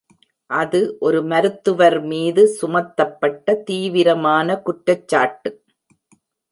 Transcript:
அது ஒரு மருத்துவர் மீது சுமத்தப்பட்ட தீவிரமான குற்றச்சாட்டு.